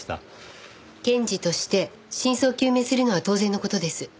検事として真相究明するのは当然の事です。